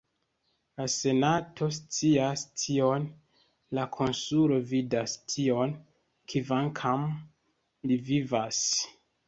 La senato scias tion, la konsulo vidas tion, kvankam li vivas!